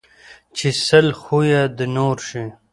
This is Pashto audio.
ـ چې سل خويه د نور شي